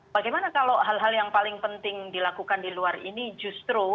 bagaimana kalau hal hal yang paling penting dilakukan di luar ini justru